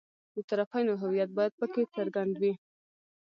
د طرفینو هویت باید په کې څرګند وي.